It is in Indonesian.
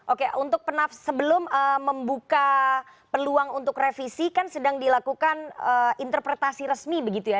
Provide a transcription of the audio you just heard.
oke untuk penaf sebelum membuka peluang untuk revisi kan sedang dilakukan interpretasi resmi begitu ya